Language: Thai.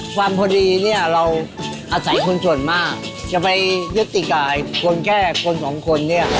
พอดีเนี่ยเราอาศัยคนส่วนมากจะไปยุติการคนแค่คนสองคนเนี่ย